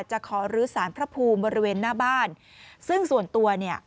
ขอรื้อสารพระภูมิบริเวณหน้าบ้านซึ่งส่วนตัวเนี่ย